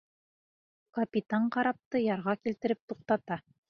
Капитан карапты ярға килтереп туҡтата.